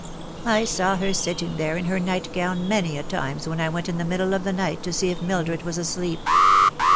" I saw her sitting there in her nightgown many a time when I went in the middle of the night to see if Mildred was asleep.